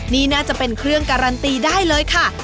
นี่น่าจะเป็นเครื่องการันตีได้เลยค่ะ